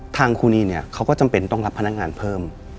ทางครูนีก็จำเป็นต้องรับพนักงานเพิ่ม